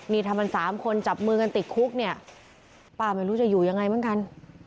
นี่ทำกันสามคนจับมือกันติดคุกเนี่ยป้าไม่รู้จะอยู่ยังไงเหมือนกัน